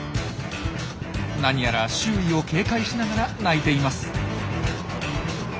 何やら周囲を警戒しながら鳴いています。